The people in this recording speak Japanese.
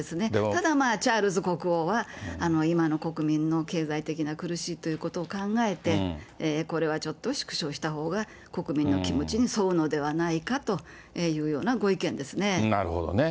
ただまあ、チャールズ国王は、今の国民の経済的な苦しいということを考えて、これはちょっと縮小したほうが、国民の気持ちに沿うのではないかというようなご意見ですね。